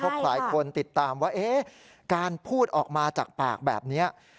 เพราะหลายคนติดตามว่าการพูดออกมาจากปากแบบนี้